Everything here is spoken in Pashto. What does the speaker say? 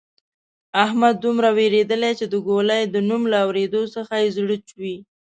احمد دومره وېرېدلۍ چې د ګولۍ د نوم له اورېدو څخه یې زړه چوي.